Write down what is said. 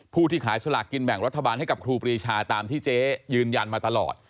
ที่ขายสลากกินแบ่งรัฐบาลให้กับครูปรีชาตามที่เจ๊ยืนยันมาตลอด